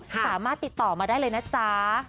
ไปติดต่อมาได้เลยนะจ๊ะ